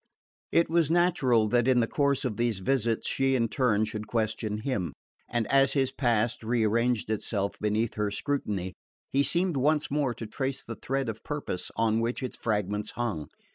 It was natural that in the course of these visits she in turn should question him; and as his past rearranged itself beneath her scrutiny he seemed once more to trace the thread of purpose on which its fragments hung.